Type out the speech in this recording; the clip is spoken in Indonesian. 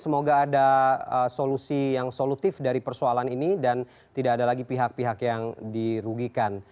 semoga ada solusi yang solutif dari persoalan ini dan tidak ada lagi pihak pihak yang dirugikan